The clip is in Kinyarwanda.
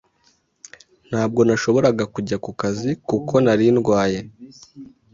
Ntabwo nashoboraga kujya ku kazi kuko nari ndwaye.